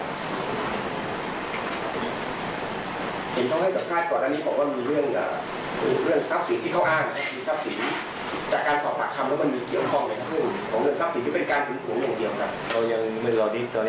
เห็นต้องให้สับการ์ดก่อนอันนี้ผมว่ามีเรื่องทรัพย์ศิลป์ที่เขาอ้าง